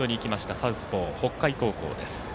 サウスポー、北海高校です。